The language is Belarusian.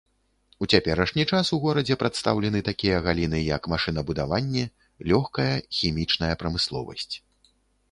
У цяперашні час у горадзе прадстаўлены такія галіны, як машынабудаванне, лёгкая, хімічная прамысловасць.